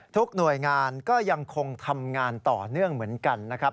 หน่วยงานก็ยังคงทำงานต่อเนื่องเหมือนกันนะครับ